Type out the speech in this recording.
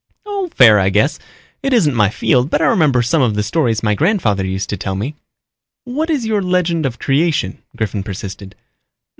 "Oh, fair, I guess. It isn't my field but I remember some of the stories my grandfather used to tell me." "What is your legend of creation?" Griffin persisted.